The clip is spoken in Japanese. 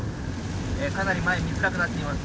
かなり前が見づらくなっています。